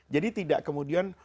jadi tidak kemudian